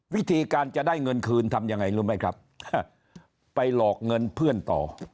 วิธีการจะได้เงินคืนทำยังไงรู้ไหมครับไปหลอกเงินเพื่อนต่อ